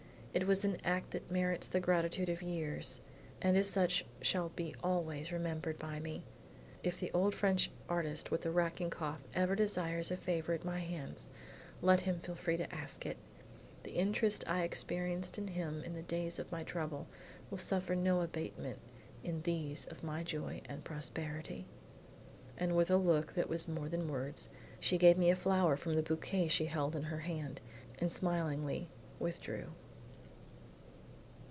It was an act that merits the gratitude of years, and as such shall be always remembered by me. If the old French artist with the racking cough ever desires a favor at my hands, let him feel free to ask it. The interest I experienced in him in the days of my trouble, will suffer no abatement in these of my joy and prosperity." And with a look that was more than words, she gave me a flower from the bouquet she held in her hand, and smilingly withdrew.